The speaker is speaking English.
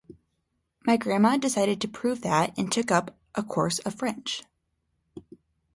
My Grandma decided to prove that and took up a course of French!